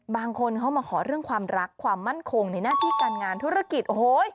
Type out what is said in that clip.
บางคนเขามาขอเรื่องความรักความมั่นคงในหน้าที่การงานธุรกิจโอ้โห